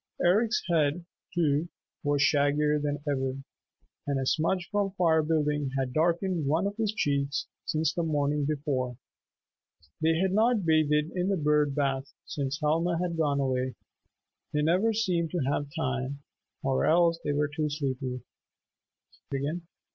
Eric's head, too, was shaggier than ever, and a smudge from firebuilding had darkened one of his cheeks since the morning before. They had not bathed in the "bird bath" since Helma had gone away. They never seemed to have time, or else they were too sleepy.